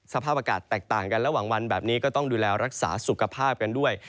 สภาพอากาศแตกต่างกันระหว่างวันแบบนี้ก็ต้องดูแลรักษาสุขภาพกันด้วย